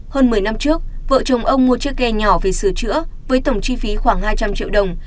hơn một mươi năm trước vợ chồng ông mua chiếc ghe nhỏ về sửa chữa với tổng chi phí khoảng hai trăm linh triệu đồng